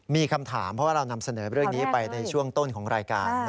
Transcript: มีคำถามเพราะว่าเรานำเสนอเรื่องนี้ไปในช่วงต้นของรายการ